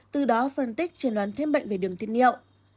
từ đó phân tích trần đoán thêm bệnh về đường tiết liệu